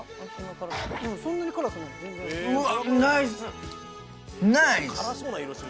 そんなに辛くない。